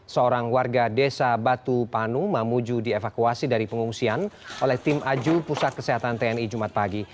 seorang warga desa batu panu mamuju dievakuasi dari pengungsian oleh tim aju pusat kesehatan tni jumat pagi